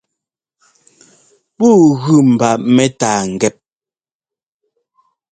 Pûu gʉ mba mɛ́tâa ŋgɛ́p.